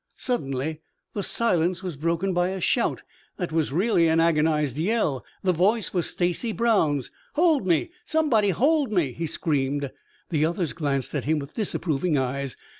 Suddenly the silence was broken by a shout that was really an agonized yell. The voice was Stacy Brown's. "Hold me! Somebody hold me!" he screamed The others glanced at him with disapproving eyes.